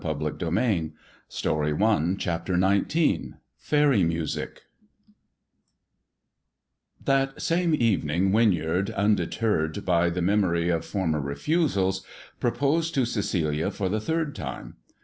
146 THE dwarf's chamber CHAPTER XIX FAERY MUSIC THAT same evening Winyard, undeterred by the memory of former refusals, proposed to Celia for the third time.